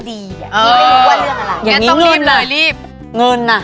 ดีอ่ะเออไม่รู้ว่าเรื่องอะไรอย่างนี้ต้องรีบเลยรีบเงินอ่ะ